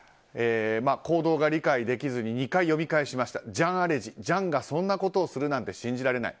行動が理解できずに２回読み返したジャン・アレジ氏がそんなことをするとは信じられない。